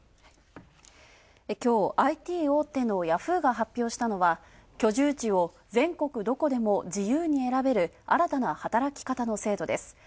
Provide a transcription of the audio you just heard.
きょう、ＩＴ大手のヤフーが発表したのは居住地を全国どこでも自由に選べる新たな働き方の制度です。